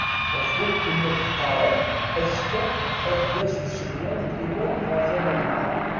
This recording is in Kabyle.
Ɣef wakk-n d-qqaren, azekka ad d-yas uselway n tɣiwant ɣer tama-nneɣ.